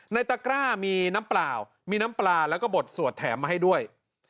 ตะกร้ามีน้ำเปล่ามีน้ำปลาแล้วก็บดสวดแถมมาให้ด้วย